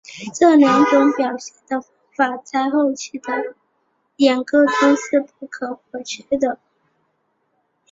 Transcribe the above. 这两种表现的方法在后期的演歌中是不可或缺的。